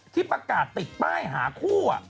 ที่ประกาศติดป้ายหาคู่